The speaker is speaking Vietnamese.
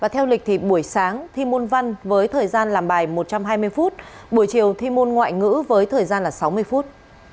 theo lịch thì buổi sáng thi môn văn với thời gian làm bài một trăm hai mươi phút buổi chiều thi môn ngoại ngữ với thời gian là sáu mươi phút